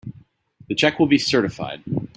The check will be certified.